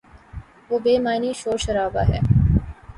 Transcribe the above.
وہ بے معنی شور شرابہ ہے۔